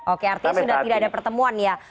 oke artinya sudah tidak ada pertemuan ya